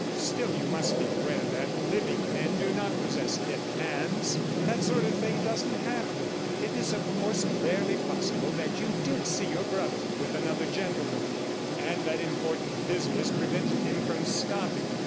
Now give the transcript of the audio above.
Still, you must be aware that living men do not possess dead hands. That sort of thing doesn't happen. It is, of course, barely possible that you did see your brother with another gentleman, and that important business prevented him from stopping.